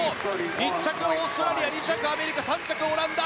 １着、オーストラリア２着、アメリカ３着、オランダ。